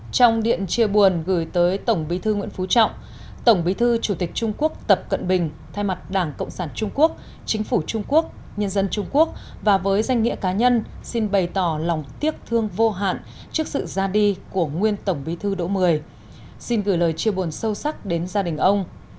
trong điện chia buồn gửi tới tổng bí thư nguyễn phú trọng tổng bí thư chủ tịch trung quốc tập cận bình thay mặt đảng cộng sản trung quốc chính phủ trung quốc nhân dân trung quốc và với danh nghĩa cá nhân xin bày tỏ lòng tiếc thương vô hạn trước sự ra đi của nguyên tổng bí thư đỗ mười xin gửi lời chia buồn sâu sắc đến gia đình ông